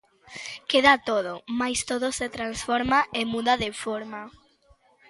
Queda todo, máis todo se transforma e muda de forma.